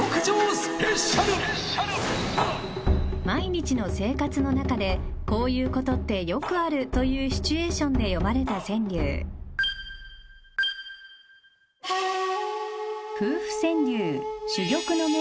［毎日の生活の中でこういうことってよくあるというシチュエーションで詠まれた川柳］